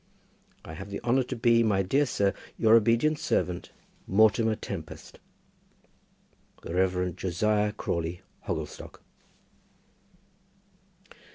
I have the honour to be, My dear sir, Your very obedient servant, MORTIMER TEMPEST. The Rev. Josiah Crawley, Hogglestock.